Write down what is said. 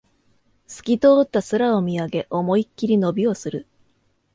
すき通った空を見上げ、思いっきり伸びをする